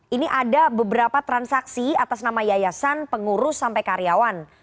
ini ada beberapa transaksi atas nama yayasan pengurus sampai karyawan